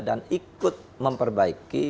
dan ikut memperbaiki